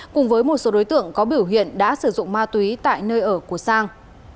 cùng với một số đối tượng có biểu hiện đã sử dụng ma túy tại nơi ở của sang